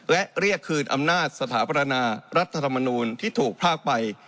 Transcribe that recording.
และเรียกคืนอำนาจสถาปนารัฐธรรมนูลที่ถูกพรากไป